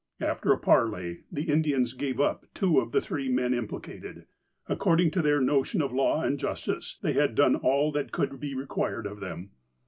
After a parley, the Indians gave up two of the three men implicated. According to their notion of law and justice, they had then done all that could be required of them.